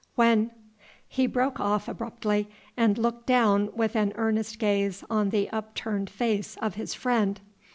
When ?" He broke off abruptly and looked down with an earnest gaze on the upturned face of his friend.